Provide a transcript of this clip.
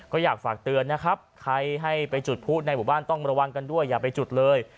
ก็อยากฝากเตือนนะครับใครให้ไปจุดผู้ในหมู่บ้านต้องระวังกันด้วยอย่าไปจุดเลย